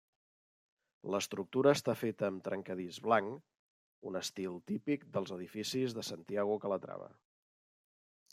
L'estructura està feta amb trencadís blanc, un estil típic dels edificis de Santiago Calatrava.